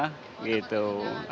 ketinggalan kereta berapa